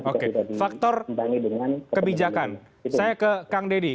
oke faktor kebijakan saya ke kang deddy